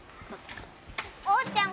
おうちゃん